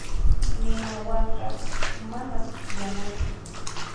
Ninawanqa manas pukllanachu.